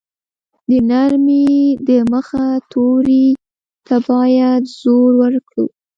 د نرمې ی د مخه توري ته باید زور ورکړو.